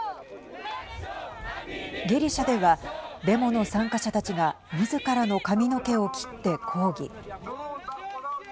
ギリシャではデモの参加者たちがみずからの髪の毛を切って抗議。